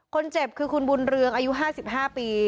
คนเจ็บคือคุณบุญเรืองอายุ๕๕ปี